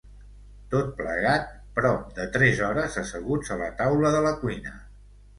Tot plegat, prop de tres hores asseguts a la taula de la cuina.